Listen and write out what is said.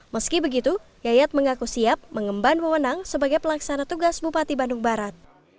meski begitu yayat mengaku siap mengemban wewenang sebagai pelaksana tugas bupati bandung barat